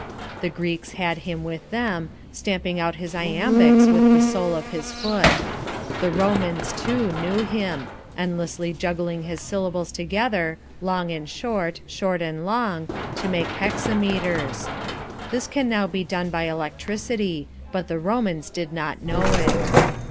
The Greeks had him with them, stamping out his iambics with the sole of his foot. The Romans, too, knew him endlessly juggling his syllables together, long and short, short and long, to make hexameters. This can now be done by electricity, but the Romans did not know it.